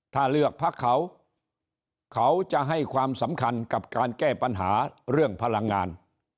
ถ้าเลือกพักเขาเขาจะให้ความสำคัญกับการแก้ปัญหาเรื่องพลังงาน